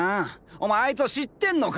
お前あいつを知ってンのか？